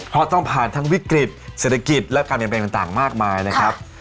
เพราะต้องผ่านทั้งวิกฤตเศรษฐกิจและการเปลี่ยนแปลงต่างมากมายนะครับ